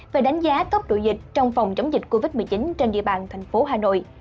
về đánh giá tốc độ dịch trong phòng chống dịch covid một mươi chín trên địa bàn thành phố hà nội